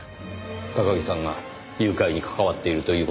高木さんが誘拐に関わっているという事ですか？